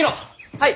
はい。